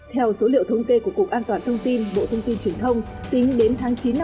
theo số liệu thống kê của cục an toàn thông tin bộ thông tin truyền thông tính đến tháng chín năm hai nghìn một mươi chín